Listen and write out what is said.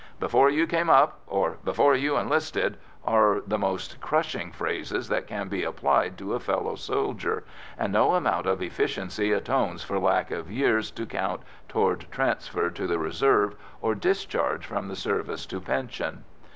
"Before you came up," or "before you enlisted," are the most crushing phrases that can be applied to a fellow soldier, and no amount of efficiency atones for lack of years to count toward transfer to the Reserve or discharge from the service to pension.